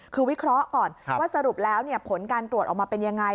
คือวิเคราะห์ก่อนว่าสรุปแล้วผลการตรวจออกมาเป็นยังไง